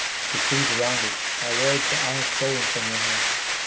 The trees around itAre words that I have stolen from your heart.